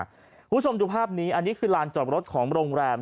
คุณผู้ชมดูภาพนี้อันนี้คือลานจอดรถของโรงแรม